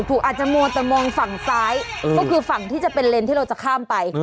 อาจจะมัวแต่มองฝั่งซ้ายก็คือฝั่งที่จะเป็นเลนที่เราจะข้ามไป